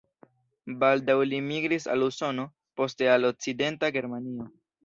Baldaŭ li migris al Usono, poste al Okcidenta Germanio.